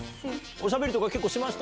おしゃべりとか結構しました？